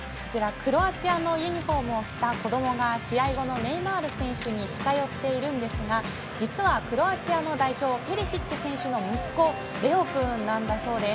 クロアチアのユニフォームを着た子どもが試合後のネイマール選手に近寄っているんですが実はクロアチアの代表ペリシッチ選手の息子レオ君なんだそうです。